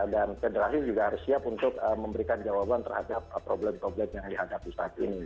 dan federasi juga harus siap untuk memberikan jawaban terhadap problem problem yang di hadapan